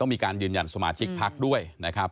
มีการยืนยันสมาชิกพักด้วยนะครับ